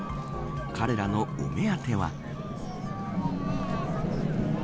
彼らのお目当ては。